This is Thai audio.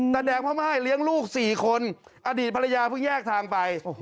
แดงพระม่ายเลี้ยงลูก๔คนอดีตภรรยาเพิ่งแยกทางไป